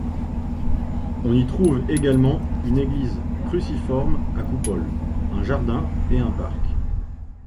On y trouve également une église cruciforme à coupoles, un jardin et un parc.